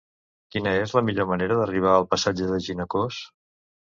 Quina és la millor manera d'arribar al passatge de Ginecòs?